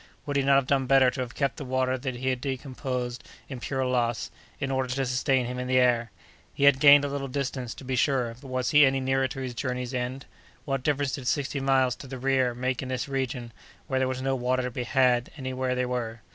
Would he not have done better to have kept the water that he had decomposed in pure loss, in order to sustain him in the air? He had gained a little distance, to be sure; but was he any nearer to his journey's end? What difference did sixty miles to the rear make in this region, when there was no water to be had where they were?